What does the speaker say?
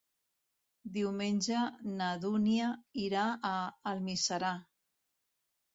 Diumenge na Dúnia irà a Almiserà.